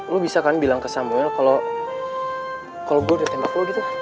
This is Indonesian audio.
lo bisa kan bilang ke samuel kalau gue udah tembak lo gitu